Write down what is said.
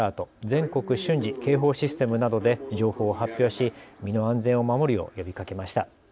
・全国瞬時警報システムなどで情報を発表し身の安全を守るよう呼びかけました。